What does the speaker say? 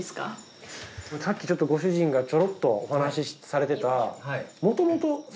さっきちょっとご主人がちょろっとお話されてた。